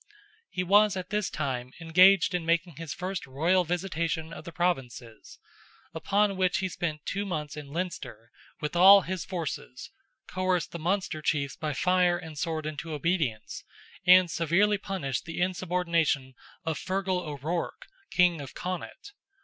He was at this time engaged in making his first royal visitation of the Provinces, upon which he spent two months in Leinster, with all his forces, coerced the Munster chiefs by fire and sword into obedience, and severely punished the insubordination of Fergal O'Ruarc, King of Connaught.